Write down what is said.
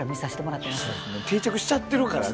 もう定着しちゃってるからね。